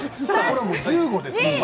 これはもう１５です。